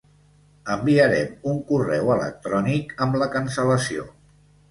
Enviarem un correu electrònic amb la cancel·lació.